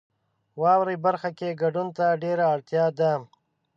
واورئ برخه کې ګډون ته ډیره اړتیا ده.